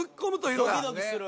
ドキドキする。